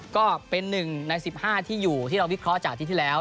ก็เป็น๑ใน๑๕ที่อยู่ที่เราวิเคราะห์จากอาทิตย์ที่แล้ว